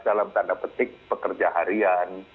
dalam tanda petik pekerja harian